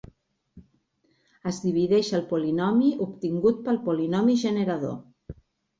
Es divideix el polinomi obtingut pel polinomi generador.